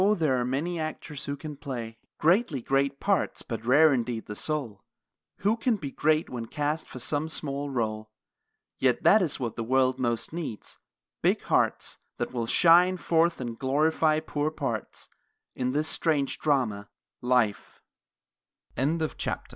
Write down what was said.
There are many actors who can play Greatly great parts, but rare indeed the soul Who can be great when cast for some small role; Yet that is what the world most needs, big hearts That will shine forth and glorify poor parts I